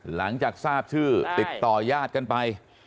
หลังจากทราบชื่อติดต่อยาดกันไป